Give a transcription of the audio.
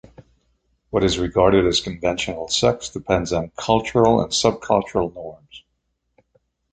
What is regarded as conventional sex depends on cultural and sub cultural norms.